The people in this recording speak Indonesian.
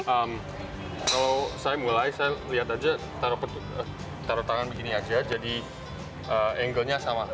kalau saya mulai saya lihat aja taruh tangan begini aja jadi angle nya sama